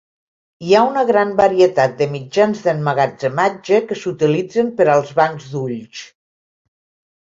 Hi ha una gran varietat de mitjans d'emmagatzematge que s'utilitzen per als bancs d'ulls.